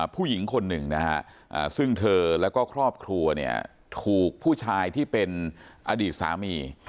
ผู้หญิงคนหนึ่งนะฮะซึ่งเธอแล้วก็ครอบครัวเนี่ยถูกผู้ชายที่เป็นอดีตสามี